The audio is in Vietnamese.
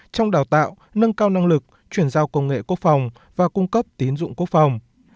trong đào tạo nâng cao năng lực chuyển giao công nghệ quốc phòng và cung cấp tín dụng quốc phòng